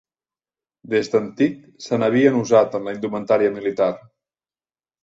Des d'antic se n'havien usat en la indumentària militar.